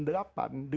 dulu masih kecil